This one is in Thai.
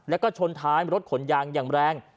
แล้วก็ชนท้ายรถขนยางอย่างแรง